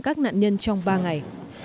các nạn nhân trong ba ngày